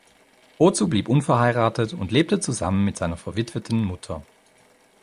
Ozu blieb unverheiratet und lebte zusammen mit seiner verwitweten Mutter.